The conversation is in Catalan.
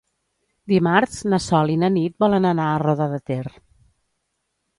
Dimarts na Sol i na Nit volen anar a Roda de Ter.